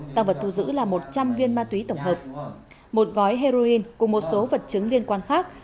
tăng vật thu giữ là một trăm linh viên ma túy tổng hợp một gói heroin cùng một số vật chứng liên quan khác